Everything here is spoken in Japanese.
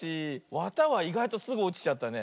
わたはいがいとすぐおちちゃったね。